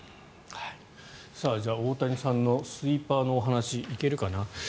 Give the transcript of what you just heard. じゃあ、大谷さんのスイーパーのお話いけるかな。